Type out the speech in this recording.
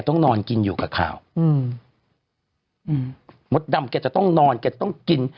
ต้องนอนกินอยู่กับข่าวอืมอืมมดดำแกจะต้องนอนแกต้องกิน